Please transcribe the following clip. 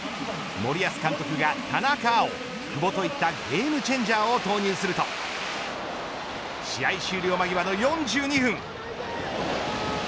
森保監督が田中碧久保といったゲームチェンジャーを投入すると試合終了間際の４２分。